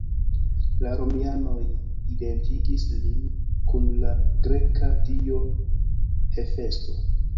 La romianoj identigis lin kun la greka dio Hefesto.